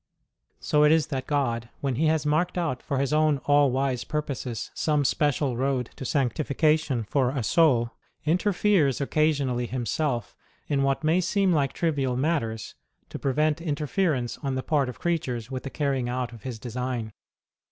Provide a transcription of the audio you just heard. So it is that God, when He has marked out, for His own all wise purposes, some special road to sanctification for a soul, interferes occasionally Himself in what may seem like trivial matters, to prevent inter ference on the part of creatures with the carrying out of His design.